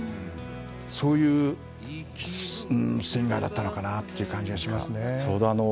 そういうシンガーだったのかなという気がします。